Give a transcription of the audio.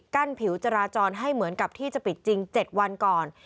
ผิวจราจรให้เหมือนกับที่จะปิดจริง๗วันก่อน